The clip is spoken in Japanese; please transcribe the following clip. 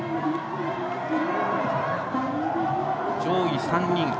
上位３人。